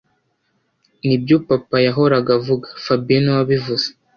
Nibyo papa yahoraga avuga fabien niwe wabivuze